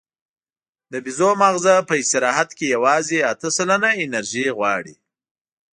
د بیزو ماغزه په استراحت کې یواځې اته سلنه انرژي غواړي.